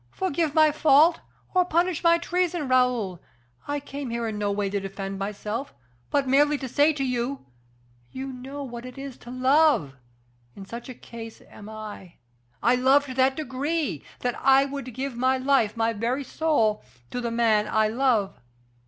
Forgive my fault, or punish my treason, Raoul. I came here in no way to defend myself, but merely to say to you: 'You know what it is to love!' in such a case am I! I love to that degree, that I would give my life, my very soul, to the man I love.